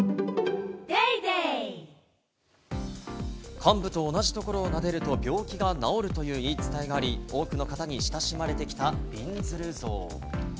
患部と同じところをなでると病気が治るという言い伝えがあり、多くの方に親しまれてきた、びんずる像。